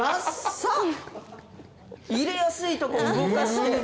入れやすいとこ動かして。